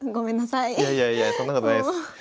いやいやいやそんなことないです。